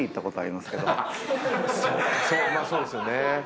まあそうですよね。